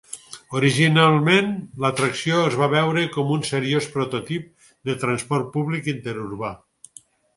Originalment l'atracció es va veure com un seriós prototip de transport públic interurbà.